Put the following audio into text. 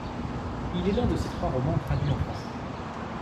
Il est l'un de ses trois romans traduits en français.